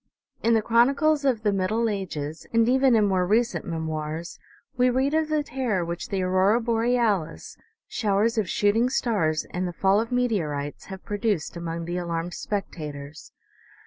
In the chronicles of the middle ages, and even in more recent memoirs, we read of the terror which the aurora borealis, showers of shooting stars and the fall of meteorites have produced among the alarmed spectators.